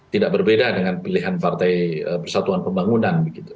tidak berbeda dengan pilihan partai persatuan pembangunan